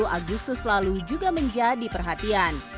dua puluh agustus lalu juga menjadi perhatian